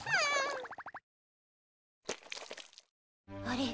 あれ？